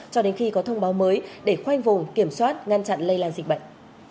cho đến khi có thông báo mới để khoanh vùng kiểm soát ngăn chặn lây lan dịch bệnh